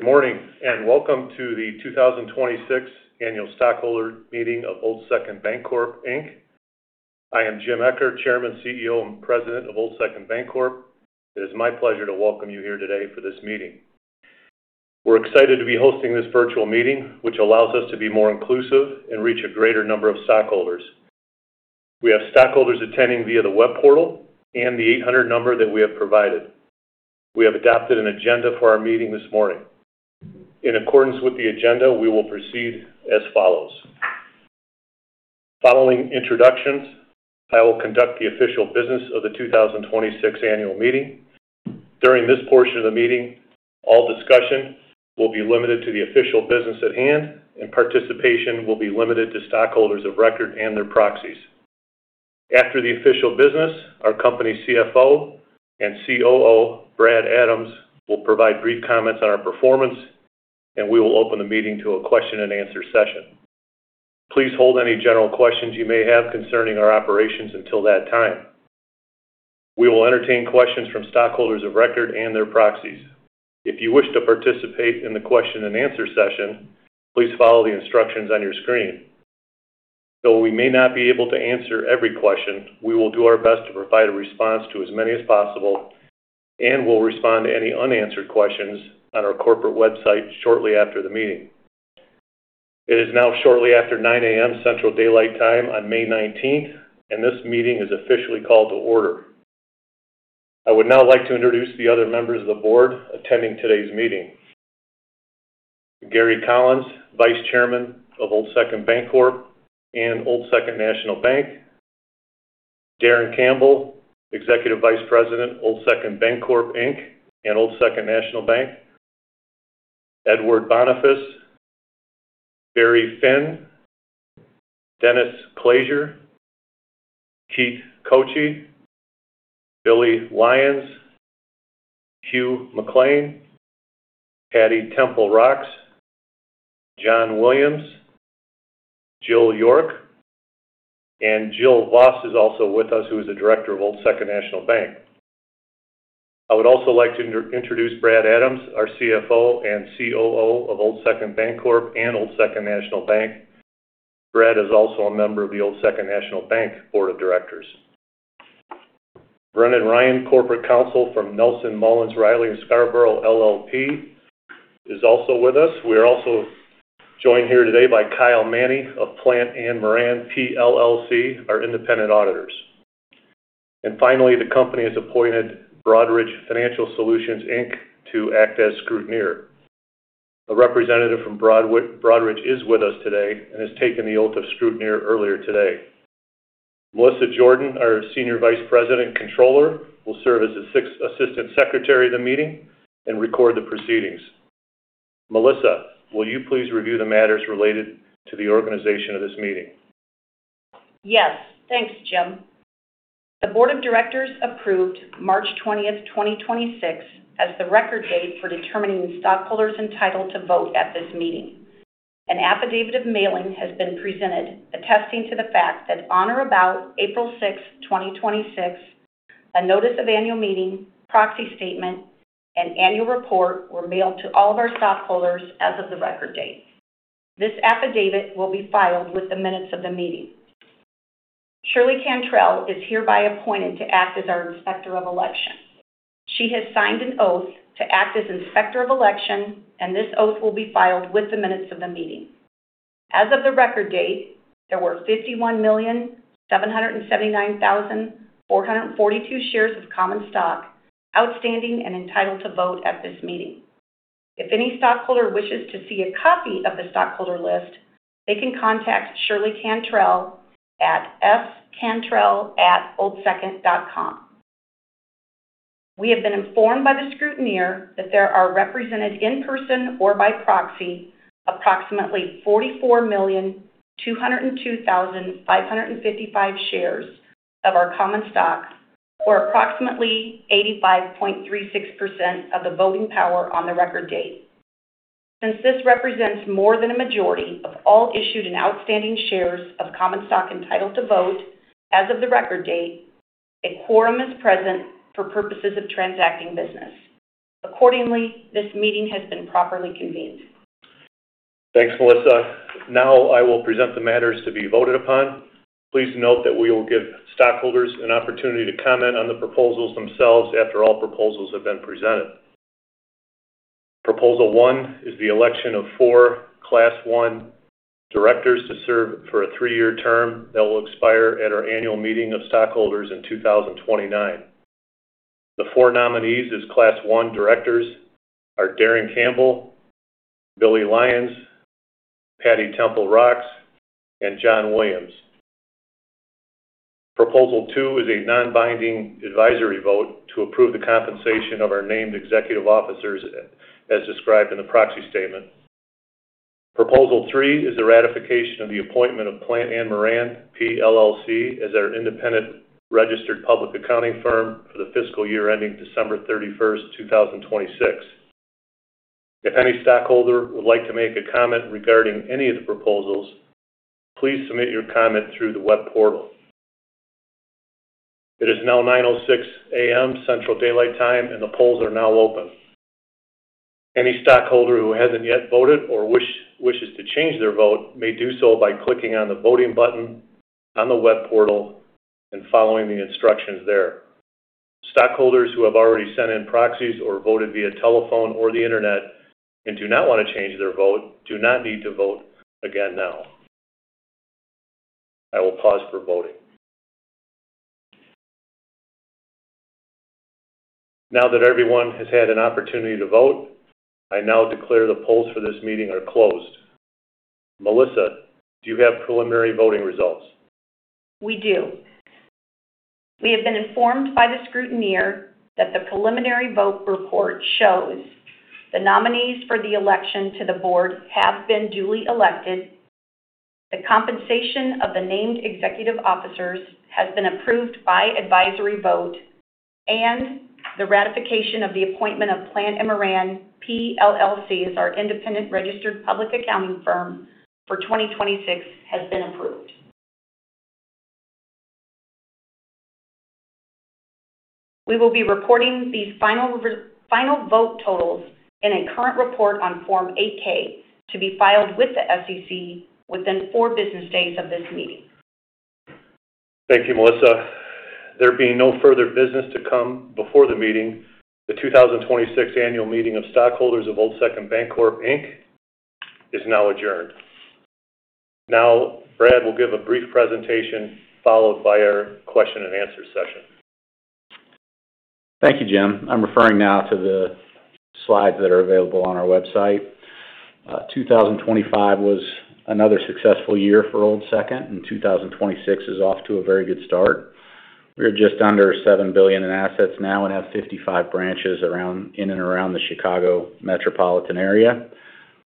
Good morning, and welcome to the 2026 Annual Stockholder Meeting of Old Second Bancorp, Inc. I am James Eccher, Chairman, CEO, and President of Old Second Bancorp. It is my pleasure to welcome you here today for this meeting. We're excited to be hosting this virtual meeting, which allows us to be more inclusive and reach a greater number of stockholders. We have stockholders attending via the web portal and the 800 number that we have provided. We have adopted an agenda for our meeting this morning. In accordance with the agenda, we will proceed as follows. Following introductions, I will conduct the official business of the 2026 annual meeting. During this portion of the meeting, all discussion will be limited to the official business at hand, and participation will be limited to stockholders of record and their proxies. After the official business, our company CFO and COO, Brad Adams, will provide brief comments on our performance. We will open the meeting to a question and answer session. Please hold any general questions you may have concerning our operations until that time. We will entertain questions from stockholders of record and their proxies. If you wish to participate in the question and answer session, please follow the instructions on your screen. Though we may not be able to answer every question, we will do our best to provide a response to as many as possible and will respond to any unanswered questions on our corporate website shortly after the meeting. It is now shortly after 9:00 A.M. Central Daylight Time on May 19th. This meeting is officially called to order. I would now like to introduce the other members of the Board attending today's meeting. Gary Collins, Vice Chairman of Old Second Bancorp and Old Second National Bank. Darin Campbell, Executive Vice President, Old Second Bancorp, Inc. and Old Second National Bank. Edward Bonifas, Barry Finn, Dennis Klaeser, Keith Kotche, Billy Lyons, Hugh McLean, Patti Temple Rocks, John Williams, Jill York, and Jill Voss is also with us, who is a Director of Old Second National Bank. I would also like to introduce Brad Adams, our CFO and COO of Old Second Bancorp and Old Second National Bank. Brad is also a member of the Old Second National Bank Board of Directors. Brennan Ryan, corporate counsel from Nelson Mullins Riley & Scarborough LLP is also with us. We are also joined here today by Kyle Manny of Plante Moran, PLLC, our independent auditors. Finally, the company has appointed Broadridge Financial Solutions, Inc. to act as scrutineer. A representative from Broadridge is with us today and has taken the oath of scrutineer earlier today. Melissa Jordan, our Senior Vice President and Controller, will serve as assistant secretary of the meeting and record the proceedings. Melissa, will you please review the matters related to the organization of this meeting? Yes. Thanks, James Eccher. The Board of Directors approved March 20, 2026 as the record date for determining stockholders entitled to vote at this meeting. An affidavit of mailing has been presented attesting to the fact that on or about April 6, 2026, a notice of annual meeting, proxy statement, and annual report were mailed to all of our stockholders as of the record date. This affidavit will be filed with the minutes of the meeting. Shirley Cantrell is hereby appointed to act as our inspector of election. She has signed an oath to act as inspector of election, and this oath will be filed with the minutes of the meeting. As of the record date, there were 51,779,442 shares of common stock outstanding and entitled to vote at this meeting. If any stockholder wishes to see a copy of the stockholder list, they can contact Shirley Cantrell at scantrell@oldsecond.com. We have been informed by the scrutineer that there are represented in person or by proxy approximately 44,202,555 shares of our common stock or approximately 85.36% of the voting power on the record date. Since this represents more than a majority of all issued and outstanding shares of common stock entitled to vote as of the record date, a quorum is present for purposes of transacting business. Accordingly, this meeting has been properly convened. Thanks, Melissa. Now I will present the matters to be voted upon. Please note that we will give stockholders an opportunity to comment on the proposals themselves after all proposals have been presented. Proposal 1 is the election of four Class 1 directors to serve for a three-year term that will expire at our annual meeting of stockholders in 2029. The four nominees as Class 1 directors are Darin Campbell, Billy Lyons, Patti Temple Rocks, and John Williams. Proposal 2 is a non-binding advisory vote to approve the compensation of our named executive officers as described in the proxy statement. Proposal 3 is the ratification of the appointment of Plante Moran, PLLC as our independent registered public accounting firm for the fiscal year ending December 31, 2026. If any stockholder would like to make a comment regarding any of the proposals, please submit your comment through the web portal. It is now 9:06 A.M. Central Daylight Time, and the polls are now open. Any stockholder who hasn't yet voted or wishes to change their vote may do so by clicking on the Voting button on the web portal and following the instructions there. Stockholders who have already sent in proxies or voted via telephone or the Internet and do not want to change their vote do not need to vote again now. I will pause for voting. Now that everyone has had an opportunity to vote, I now declare the polls for this meeting are closed. Melissa, do you have preliminary voting results? We do. We have been informed by the scrutineer that the preliminary vote report shows the nominees for the election to the Board have been duly elected, the compensation of the named executive officers has been approved by advisory vote, and the ratification of the appointment of Plante Moran, PLLC as our independent registered public accounting firm for 2026 has been approved. We will be reporting these final vote totals in a current report on Form 8-K to be filed with the SEC within four business days of this meeting. Thank you, Melissa. There being no further business to come before the meeting, the 2026 Annual Meeting of Stockholders of Old Second Bancorp, Inc. is now adjourned. Now, Brad will give a brief presentation followed by our question and answer session. Thank you, Jim. I'm referring now to the slides that are available on our website. 2025 was another successful year for Old Second Bancorp, and 2026 is off to a very good start. We're just under $7 billion in assets now and have 55 branches around in and around the Chicago metropolitan area.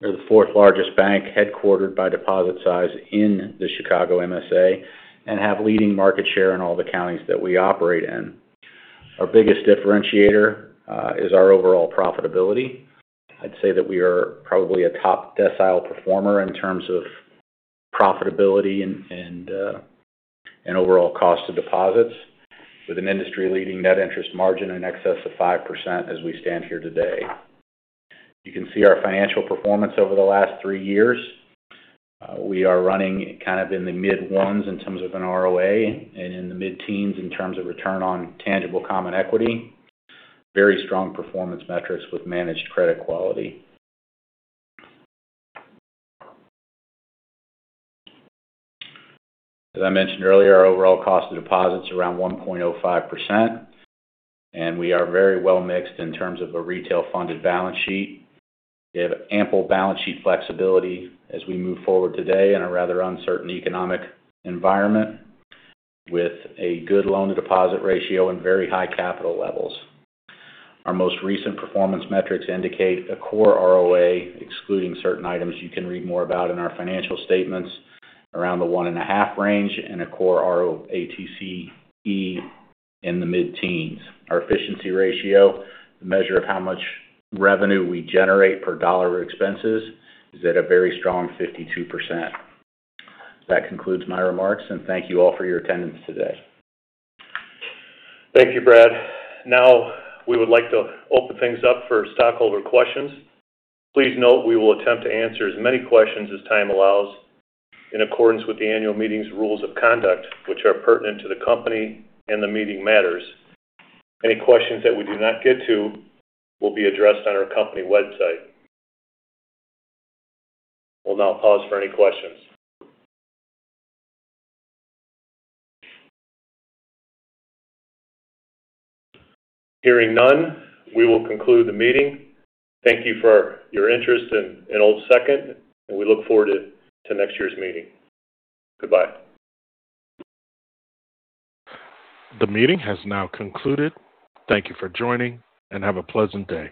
We're the fourth largest bank headquartered by deposit size in the Chicago MSA and have leading market share in all the counties that we operate in. Our biggest differentiator is our overall profitability. I'd say that we are probably a top decile performer in terms of profitability and overall cost of deposits with an industry-leading net interest margin in excess of 5% as we stand here today. You can see our financial performance over the last three years. We are running kind of in the mid-ones in terms of an ROA and in the mid-teens in terms of return on tangible common equity. Very strong performance metrics with managed credit quality. As I mentioned earlier, our overall cost of deposits is around 1.05%, and we are very well-mixed in terms of a retail funded balance sheet. We have ample balance sheet flexibility as we move forward today in a rather uncertain economic environment with a good loan-to-deposit ratio and very high capital levels. Our most recent performance metrics indicate a core ROA, excluding certain items you can read more about in our financial statements, around the 1.5% range and a core ROATCE in the mid-teens. Our efficiency ratio, the measure of how much revenue we generate per dollar of expenses, is at a very strong 52%. That concludes my remarks, and thank you all for your attendance today. Thank you, Brad. Now, we would like to open things up for stockholder questions. Please note we will attempt to answer as many questions as time allows in accordance with the annual meeting's rules of conduct which are pertinent to the company and the meeting matters. Any questions that we do not get to will be addressed on our company website. We'll now pause for any questions. Hearing none, we will conclude the meeting. Thank you for your interest in Old Second, and we look forward to next year's meeting. Goodbye. The meeting has now concluded. Thank you for joining, and have a pleasant day.